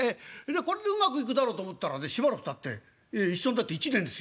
これでうまくいくだろうと思ったらねしばらくたって一緒になって１年ですよ。